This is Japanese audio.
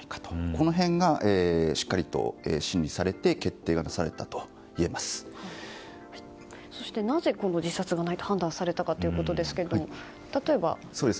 この辺がしっかりと審理されてそして、なぜ自殺がないと判断されたかということですが例えば。